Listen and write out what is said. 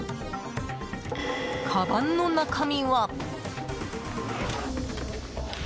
かばんの中身は。